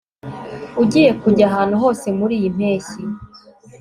ugiye kujya ahantu hose muriyi mpeshyi